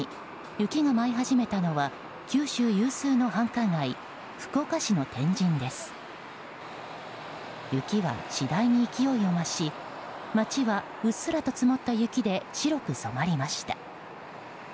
雪は次第に勢いを増し街はうっすらと積もった雪で白く染まりました。